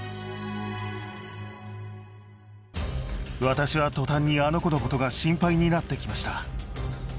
私は途端にあの子のことが心配になって来ました。